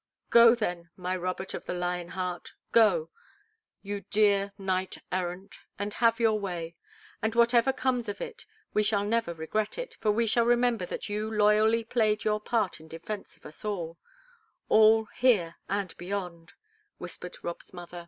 "Go, then, my Robert of the lion heart, go, you dear knight errant, and have your way. And whatever comes of it we shall never regret it, for we shall remember that you loyally played your part in defence of us all all, here and beyond," whispered Rob's mother.